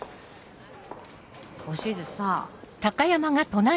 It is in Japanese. おしずさぁ。